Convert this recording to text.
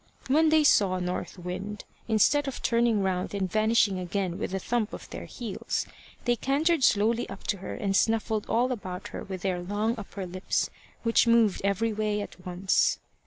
When they saw North Wind, instead of turning round and vanishing again with a thump of their heels, they cantered slowly up to her and snuffled all about her with their long upper lips, which moved every way at once.